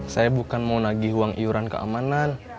saya bukan mau nagih uang iuran keamanan